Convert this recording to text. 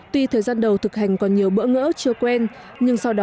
tuy thời gian đầu thực hành còn nhiều bỡ ngỡ chưa quen